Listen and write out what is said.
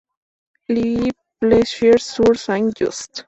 Le Plessier-sur-Saint-Just